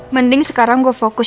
mending sekarang gue fokus